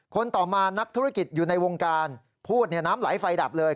ต่อมานักธุรกิจอยู่ในวงการพูดน้ำไหลไฟดับเลย